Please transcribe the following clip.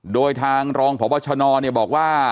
โดยทางรองพบชนบอกว่า